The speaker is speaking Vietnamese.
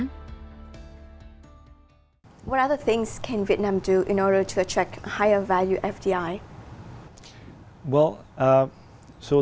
thực tế cuộc trải nghiệm truyền thống nước asean